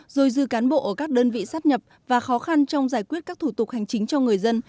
dồi dư cán bộ ở các đơn vị sát nhập và khó khăn trong giải quyết các thủ tục hành chính cho người dân